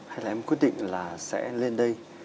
hay là em quyết định là sẽ lên đây